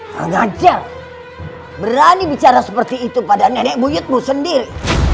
mengajak berani bicara seperti itu pada nenek buyutmu sendiri